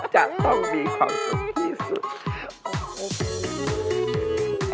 จะต้องมีความสุขที่สุด